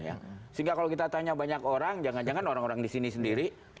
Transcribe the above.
sehingga kalau kita tanya banyak orang jangan jangan orang orang di sini sendiri